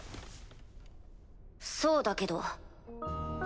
そうだけど。